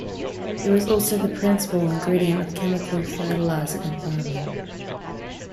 It was also the principal ingredient of chemical fertilizer in farming.